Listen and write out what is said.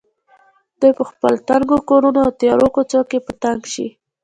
دوی په خپلو تنګو کورونو او تیارو کوڅو کې په تنګ شي.